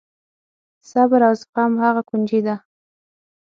صبر او زغم هغه کونجي ده.